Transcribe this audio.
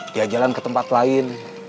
dia jalan ke tempat lain